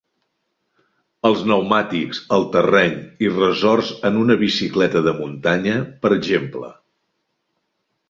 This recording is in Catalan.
Els pneumàtics, el terreny i ressorts en una bicicleta de muntanya, per exemple.